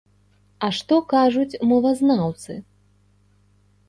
А што кажуць мовазнаўцы?